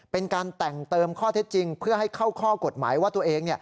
เป็นการแต่งเติมข้อเท็จจริงเพื่อให้เข้าข้อกฎหมายว่าตัวเอง